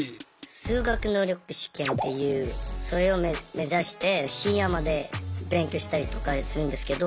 修学能力試験っていうそれを目指して深夜まで勉強したりとかするんですけど。